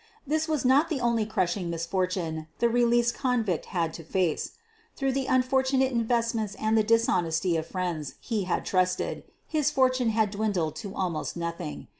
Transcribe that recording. This was not the only crush ing misfortune the released convict had to face. Through unfortunate investments and the dishon esty of friends he had trusted, his fortune had dwindled to almost nothing.